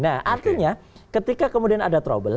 nah artinya ketika kemudian ada trouble